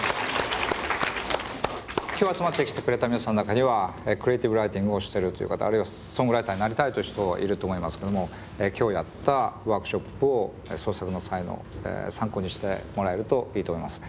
今日集まってきてくれた皆さんの中にはクリエーティブライティングをしてるという方あるいはソングライターになりたいという人いると思いますけども今日やったワークショップを創作の際の参考にしてもらえるといいと思います。